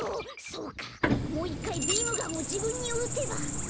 そうかもういっかいビームガンをじぶんにうてば。